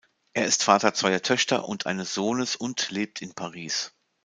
Er ist Vater zweier Töchter und eines Sohnes und lebt in Paris.